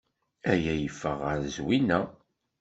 Aya yeffeɣ ɣef Zwina.